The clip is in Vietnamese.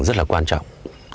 rất là quan trọng